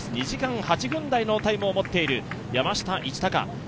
２時間８分台のタイムを持っている山下一貴。